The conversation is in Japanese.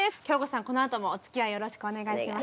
このあともおつきあいよろしくお願いします。